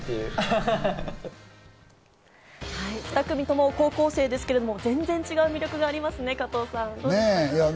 ２組とも高校生ですけど、全然違う魅力がありますね、加藤さん。